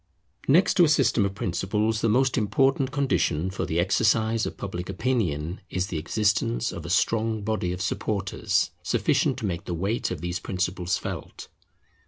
Next to a system of principles, the most important condition for the exercise of Public Opinion is the existence of a strong body of supporters sufficient to make the weight of these principles felt.